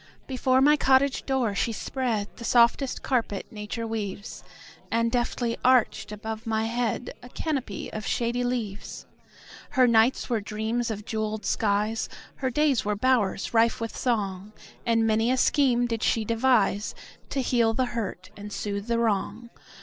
Before my cottage door she spreadThe softest carpet nature weaves, And deftly arched above my headA canopy of shady leaves. Her nights were dreams of jeweled skies, Her days were bowers rife with song, And many a scheme did she deviseTo heal the hurt and soothe the wrong.